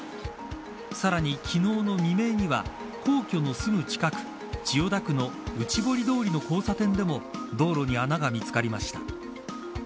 さらに、昨日の未明には皇居のすぐ近く千代田区の内堀通りの交差点でも道路に穴が見つかりました。